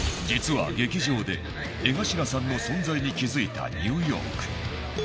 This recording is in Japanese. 実は劇場で江頭さんの存在に気付いたニューヨーク。